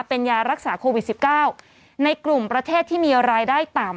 เป็นยารักษาโควิด๑๙ในกลุ่มประเทศที่มีรายได้ต่ำ